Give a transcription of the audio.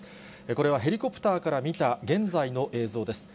これはヘリコプターから見た現在の映像です。